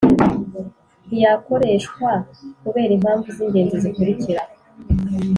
ntiyakoreshwa kubera impamvu z’ ingenzi zikurikira